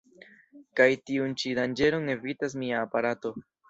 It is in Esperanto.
Kaj tiun ĉi danĝeron evitas mia aparato.